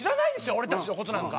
俺たちの事なんか。